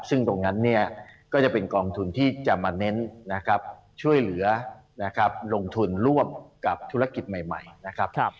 ซึ่งตรงนั้นเนี่ยก็จะเป็นกองทุนที่จะมาเน้นนะครับช่วยเหลือนะครับลงทุนร่วมกับธุรกิจใหม่นะครับ